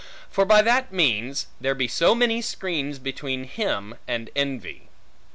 For by that means, there be so many screens between him and envy.